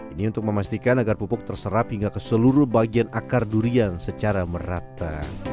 ini untuk memastikan agar pupuk terserap hingga ke seluruh bagian akar durian secara merata